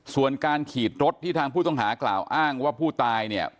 ส่วนการขี่รถที่ทางผู้ต้องหากล่าวอ้างว่าผู้ตายเนี่ย